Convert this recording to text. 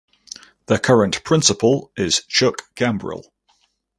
The current principal is Chuck Gambrill.